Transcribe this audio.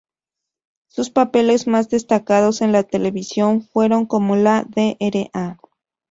Sus papeles más destacados en la televisión fueron como la Dra.